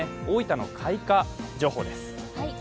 大分の開花情報です。